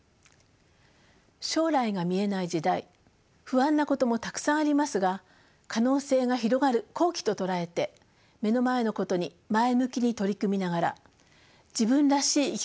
将来が見えない時代不安なこともたくさんありますが可能性が広がる好機と捉えて目の前のことに前向きに取り組みながら自分らしい生き方をしていきたいと思います。